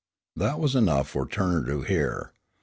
That was enough for Turner to hear.